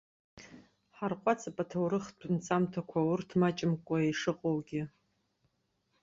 Ҳарҟәаҵып аҭоурыхтә нҵамҭақәа, урҭ маҷымкәа ишыҟоугьы.